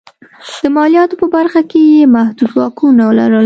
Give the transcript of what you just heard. د مالیاتو په برخه کې یې محدود واکونه لرل.